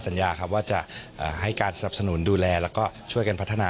สัญญาครับว่าจะให้การสนับสนุนดูแลแล้วก็ช่วยกันพัฒนา